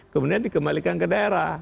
kemudian dikembalikan ke daerah